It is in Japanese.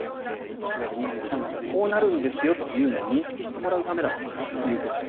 ７月２３日はこうなるんですよというのを認識してもらうためだということです。